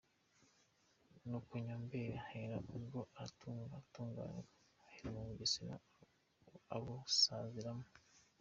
Nuko Nyombeli ahera ubwo aratunga aratunganirwa, ahera mu Bugesera, abusaziramo.